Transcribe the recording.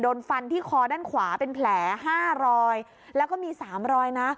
โดนฟันที่คอด้านขวาเป็นแผลห้ารอยแล้วก็มีสามรอยนะ